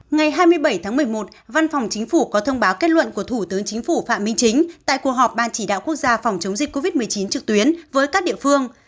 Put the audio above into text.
ngày hai mươi bảy tháng một mươi một văn phòng chính phủ có thông báo kết luận của thủ tướng chính phủ phạm minh chính tại cuộc họp ban chỉ đạo quốc gia phòng chống dịch covid một mươi chín trực tuyến với các địa phương